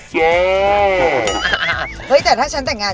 เจ๊เฮ้ยแต่ถ้าฉันแต่งงาน